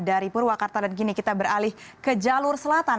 dari purwakarta dan kini kita beralih ke jalur selatan